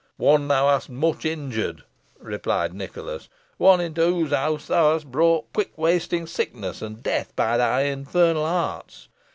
"One thou hast much injured," replied Nicholas. "One into whose house thou hast brought quick wasting sickness and death by thy infernal arts.